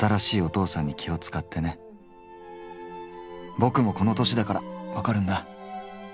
ボクもこの年だから分かるんだ。